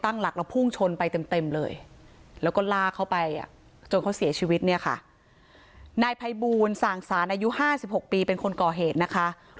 นายไปบูรณ์สั่งสารอายุห้าสิบหกปีเป็นคนก่อเหตุนะคะครับ